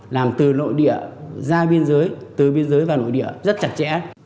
làm từ nội địa ra biên giới từ biên giới vào nội địa rất chặt chẽ